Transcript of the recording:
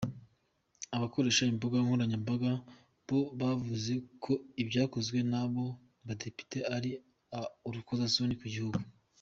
Abakoresha imbuga nkoranyambaga bo bavuze ko ibyakozwe n’abo badepite ari urukozasoni ku gihugu.